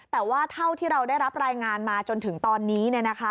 แต่ว่าเท่าที่เราได้รับรายงานมาจนถึงตอนนี้